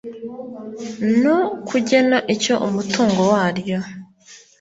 no kugena icyo umutungo waryo